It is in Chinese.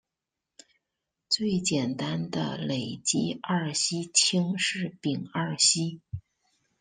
最简单的累积二烯烃是丙二烯。